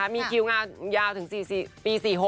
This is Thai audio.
มีคิวงานยาวถึง๔ปี๔๖